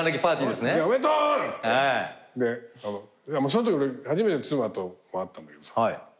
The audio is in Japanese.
そんとき初めて妻とも会ったんだけどさ